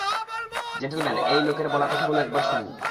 Gentleman, এই লোকের বলা কথাগুলো একবার শুনুন।